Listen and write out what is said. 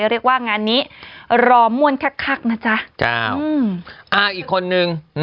เรียกว่างานนี้รอม่วนคักนะจ๊ะเจ้าอ่าอีกคนนึง